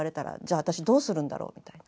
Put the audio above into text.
私どうするんだろうみたいな。